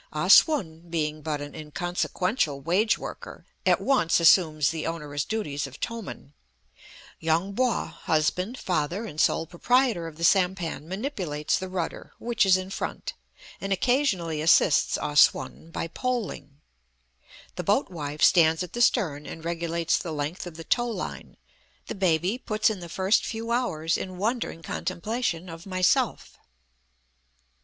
Ah Sum, being but an inconsequential wage worker, at once assumes the onerous duties of towman; Yung Po, husband, father, and sole proprietor of the sampan, manipulates the rudder, which is in front, and occasionally assists Ah Sum by poling. The boat wife stands at the stern and regulates the length of the tow line; the baby puts in the first few hours in wondering contemplation of myself.